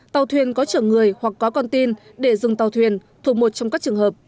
tàu thuyền có chở người hoặc có con tin để dừng tàu thuyền thuộc một trong các trường hợp